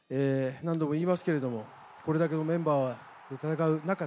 何度も言いますけれども、これだけのメンバーで戦う中で